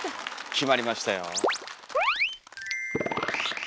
決まりましたよ。